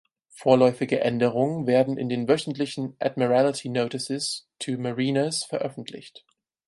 Vorläufige Änderungen werden in den wöchentlichen Admiralty Notices to Mariners veröffentlicht.